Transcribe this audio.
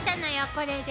これで。